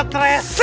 orang setrema si